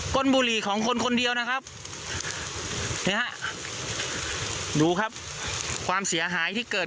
้นบุหรี่ของคนคนเดียวนะครับนี่ฮะดูครับความเสียหายที่เกิด